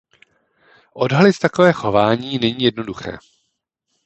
Odhalit takové chování není jednoduché.